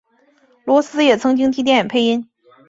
罗斯也曾经替电影配音。